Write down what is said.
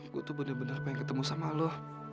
aku tuh bener bener pengen ketemu sama lo